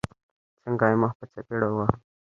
څنګه يې مخ په څپېړو واهه.